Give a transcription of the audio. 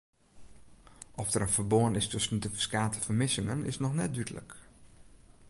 Oft der in ferbân is tusken de ferskate fermissingen is noch net dúdlik.